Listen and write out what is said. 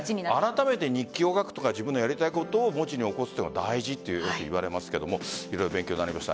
あらためて日記を書く自分のやりたいことを文字に起こすのは大事といわれますが色々勉強になりました